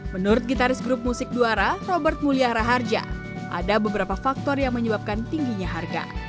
menurut gitaris grup musik duara robert mulia raharja ada beberapa faktor yang menyebabkan tingginya harga